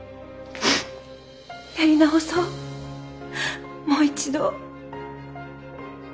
やり直そうもう一度。